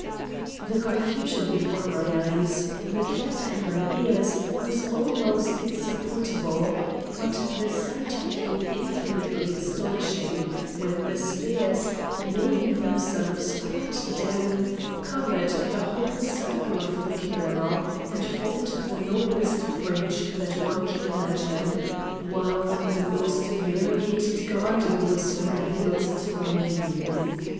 The confusion before my eyes, the clatter in my ears, was almost insupportable; but the sight became infinitely astonishing, when the spears, laying themselves quite down, covered the whole circle of the canal, and formed the noblest bridge that one can imagine, while the most variegated garden was revealed to my view.